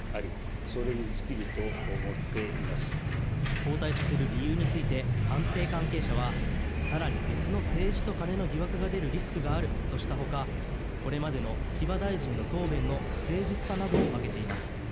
交代させる理由について官邸関係者は更に別の政治と金の疑惑が出るリスクがあるとしたほかこれまでの秋葉大臣の答弁の不誠実さなどを挙げています。